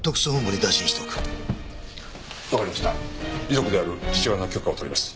遺族である父親の許可を取ります。